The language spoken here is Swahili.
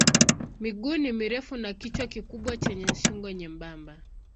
Miguu ni mirefu na kichwa kikubwa chenye shingo nyembamba.